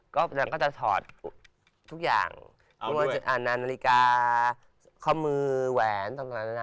ก็จะถอดทุกอย่างนานนาฬิกาข้อมือแหวนต่าง